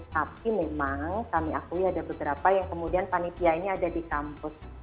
tapi memang kami akui ada beberapa yang kemudian panitia ini ada di kampus